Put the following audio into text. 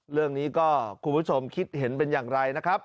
เรื่องนี้ก็คุณผู้ชมคิดเห็นเป็นอย่างไรนะครับ